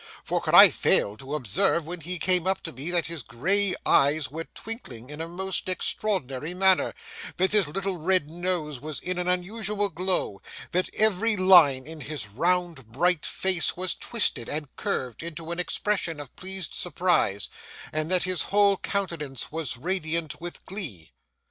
For could I fail to observe when he came up to me that his gray eyes were twinkling in a most extraordinary manner, that his little red nose was in an unusual glow, that every line in his round bright face was twisted and curved into an expression of pleased surprise, and that his whole countenance was radiant with glee?